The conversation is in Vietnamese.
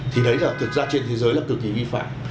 thực ra trên thế giới là cực kỳ vi phạm